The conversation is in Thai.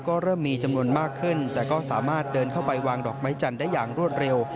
ก็เริ่มมีจำนวนมากขึ้นแต่ก็สามารถเดินเข้าไปวางดอกไม้จันทร์ได้อย่างรวดเร็ว